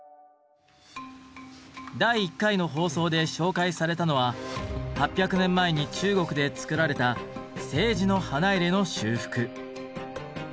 第１回の放送で紹介されたのは８００年前に中国で作られた青磁の花入の修復。